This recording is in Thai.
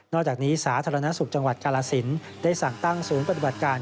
อกจากนี้สาธารณสุขจังหวัดกาลสินได้สั่งตั้งศูนย์ปฏิบัติการ